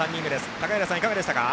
高平さん、いかがでしたか？